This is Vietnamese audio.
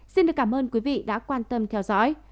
xin được cảm ơn quý vị đã quan tâm theo dõi